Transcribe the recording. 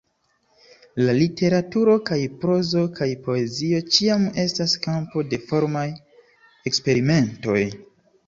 La literaturo – kaj prozo kaj poezio – ĉiam estas kampo de formaj eksperimentoj.